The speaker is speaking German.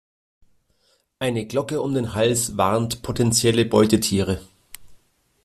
Eine Glocke um den Hals warnt potenzielle Beutetiere.